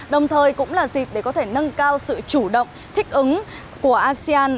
đồng thời cũng là dịp để có thể nâng cao sự chủ động thích ứng của asean